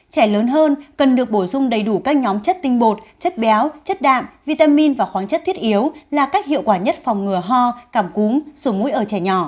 trẻ lớn hơn cần được bổ sung đầy đủ các nhóm chất tinh bột chất béo chất đạm vitamin và khoáng chất thiết yếu là cách hiệu quả nhất phòng ngừa ho cảm cúm sùng mũi ở trẻ nhỏ